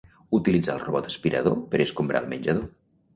Utilitzar el robot aspirador per escombrar el menjador.